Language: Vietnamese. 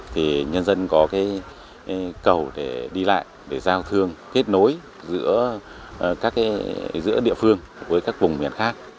thì nhân dân có cái cầu để đi lại để giao thương kết nối giữa địa phương với các vùng miền khác